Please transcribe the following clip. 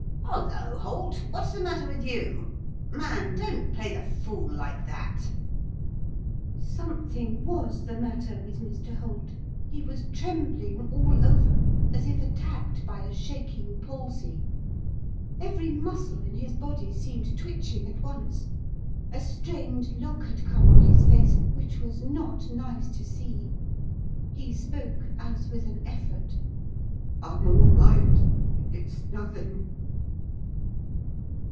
'Hollo, Holt, what's the matter with you? Man, don't play the fool like that!' Something was the matter with Mr Holt. He was trembling all over as if attacked by a shaking palsy. Every muscle in his body seemed twitching at once. A strained look had come on his face, which was not nice to see. He spoke as with an effort. 'I'm all right. It's nothing.